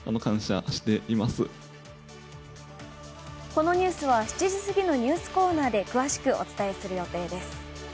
このニュースは７時過ぎのニュースコーナーで詳しくお伝えする予定です。